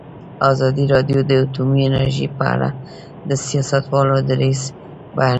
ازادي راډیو د اټومي انرژي په اړه د سیاستوالو دریځ بیان کړی.